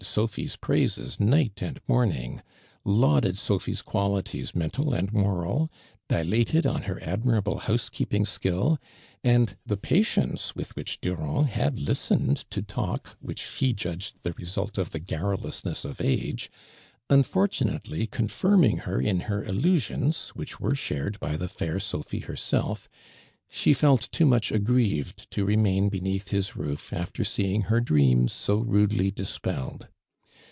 Sophie's praises night and morn ing, lauded Sophie's qualities, mental and moral, dilated on her admirable house keep ing skill, and the patience with which Durand hod listened to talk, which he judged the result of the garrulousness of ago, un fortunately confirming her in lier illusions, which were shared by the fair Hophio her self, she felt too much aggrieved to remain beneath his roof after seeing her dreams so rudely dispelled.